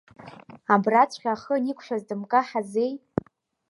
Абраҵәҟьа ахы аниқәшәа дымкаҳази?